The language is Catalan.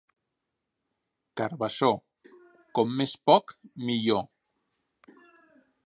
Carabassó, com més poc, millor.